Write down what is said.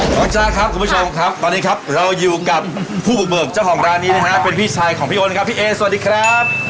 อาจารย์ครับคุณผู้ชมครับตอนนี้ครับเราอยู่กับผู้บุกเบิกเจ้าของร้านนี้นะฮะเป็นพี่ชายของพี่โอนครับพี่เอสวัสดีครับ